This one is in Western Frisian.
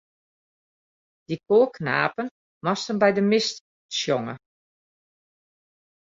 Dy koarknapen moasten by de mis sjonge.